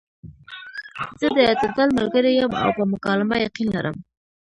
زۀ د اعتدال ملګرے يم او پۀ مکالمه يقين لرم -